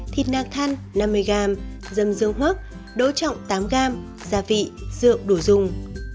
thịt nạc thăn năm mươi g dâm dương hoắc đỗ trọng tám g gia vị rượu đủ dùng